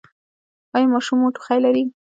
ایا ماشوم مو ټوخی لري؟